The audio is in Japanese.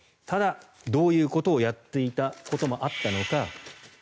ただ、どういうことをやっていたこともあったのか。